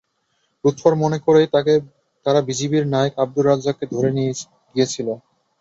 লুৎফর মনে করেই তারা বিজিবির নায়েক আবদুর রাজ্জাককে ধরে নিয়ে গিয়েছিল।